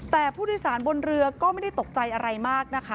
แต่ผู้โดยสารบนเรือก็ไม่ได้ตกใจอะไรมากนะคะ